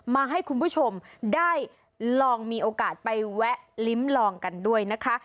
มาให้คุณผู้ชมได้ลองมีโอกาสไปแวะลิ้มลองกันด้วยนะคะ